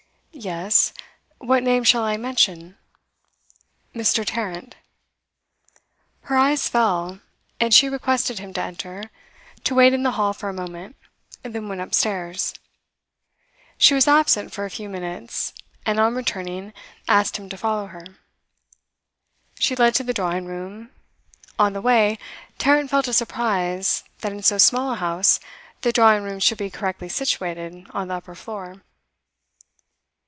'Yes. What name shall I mention?' 'Mr. Tarrant.' Her eyes fell, and she requested him to enter, to wait in the hall for a moment; then went upstairs. She was absent for a few minutes, and on returning asked him to follow her. She led to the drawing room: on the way, Tarrant felt a surprise that in so small a house the drawing room should be correctly situated on the upper floor.